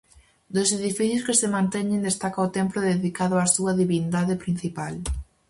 Dos edificios que se manteñen destaca o templo dedicado á súa divindade principal.